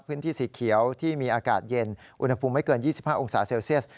พื้นที่สีเขียวที่มีอากาศเย็นอุณหภูมิไม่เกิน๒๕องศาเซลเซียส